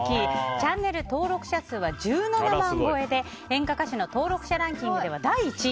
チャンネル登録者数は１７万超えで演歌歌手の登録者ランキングは第１位。